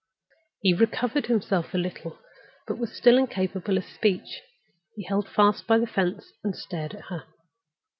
He recovered himself a little, but he was still incapable of speech. He held fast by the fence, and stared at her.